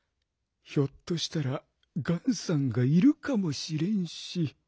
ひょっとしたらガンさんがいるかもしれんし。